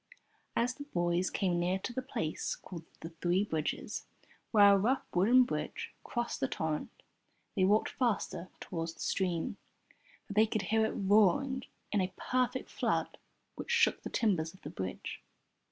As the boys came near to the place called "The Three Bridges," where a rough wooden bridge crossed the torrent, they walked faster towards the stream, for they could hear it roaring in a perfect flood which shook the timbers of the bridge.